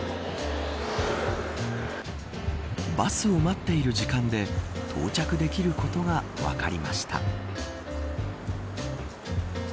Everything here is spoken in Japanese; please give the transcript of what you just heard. バスを待っている時間で到着できることが分かりました。